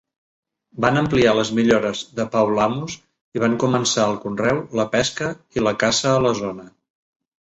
Van ampliar les millores de Paulhamus i van començar el conreu, la pesca i la caça a la zona.